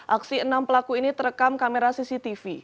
aksi enam pelaku ini terekam kamera cctv